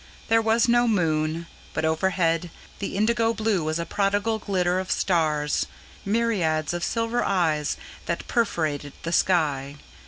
There was no moon; but, overhead, the indigo blue was a prodigal glitter of stars myriads of silver eyes that perforated the sky.